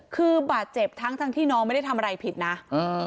คือบาดเจ็บทั้งทั้งที่น้องไม่ได้ทำอะไรผิดนะอ่า